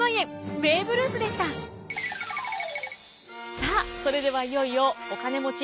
さあそれではいよいよお金持ち